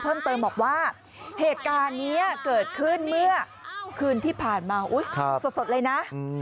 เพิ่มเติมบอกว่าเหตุการณ์นี้เกิดขึ้นเมื่อคืนที่ผ่านมาสดเลยนะ